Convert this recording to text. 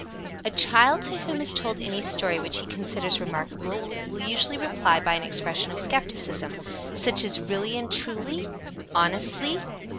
60. A child to whom is told any story which he considers remarkable will usually reply by an expression of skepticism, such as: "Really and truly?" "Honestly?"